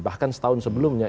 bahkan setahun sebelumnya